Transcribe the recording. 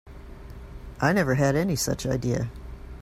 I never had any such idea.